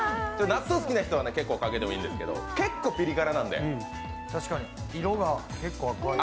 納豆好きな人は結構かけてもいいん員ですけど結構ピリ辛なんで。